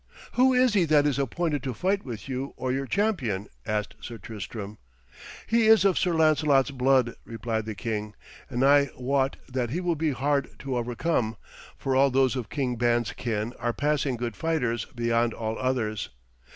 'Who is he that is appointed to fight with you or your champion?' asked Sir Tristram. 'He is of Sir Lancelot's blood,' replied the king, 'and I wot that he will be hard to overcome, for all those of King Ban's kin are passing good fighters beyond all others.